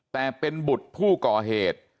แต่เป็นบุตรผู้ก่อเหตุ